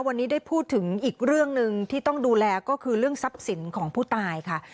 วันนี้ได้พูดถึงอีกเรื่องหนึ่งที่ต้องดูแลก็คือเรื่องทรัพย์สินของผู้ตายค่ะ